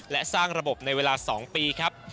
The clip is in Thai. และสร้างระบบในเวลา๒ปีครับ